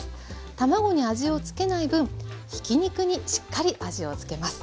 卵に味をつけない分ひき肉にしっかり味をつけます。